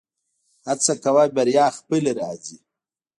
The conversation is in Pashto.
هڅه کوه بریا خپله راځي